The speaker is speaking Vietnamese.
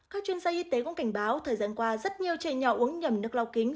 các chuyên gia y tế cũng cảnh báo thời gian qua rất nhiều trẻ nhỏ uống nhầm nước lao kính